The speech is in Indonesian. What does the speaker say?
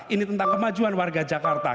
ini tentang kemajuan warga jakarta